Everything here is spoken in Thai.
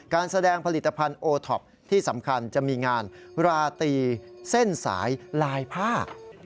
การแสดงผลิตภัณฑ์โอท็อปที่สำคัญจะมีงานราตรีเส้นสายลายผ้า